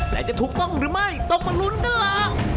แต่จะถูกต้องหรือไม่ต้องมาลุ้นกันล่ะ